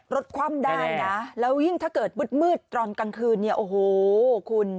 คว่ำได้นะแล้วยิ่งถ้าเกิดมืดมืดตอนกลางคืนเนี่ยโอ้โหคุณ